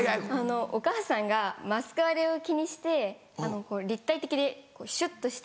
お母さんがマスク荒れを気にして立体的でシュっとした。